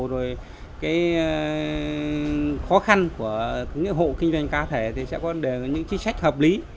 rồi cái khó khăn của những hộ kinh doanh cá thể thì sẽ có những chính sách hợp lý